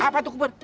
apa itu kuper